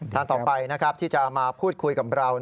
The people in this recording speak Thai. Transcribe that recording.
ท่านต่อไปนะครับที่จะมาพูดคุยกับเรา